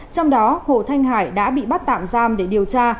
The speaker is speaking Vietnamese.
trong đó hồ thanh hải đã bị bắt tạm giam để điều tra